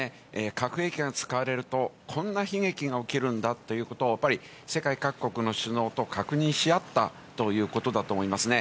核兵器が使われると、こんな悲劇が起きるんだということを、やっぱり世界各国の首脳と確認し合ったということだと思いますね。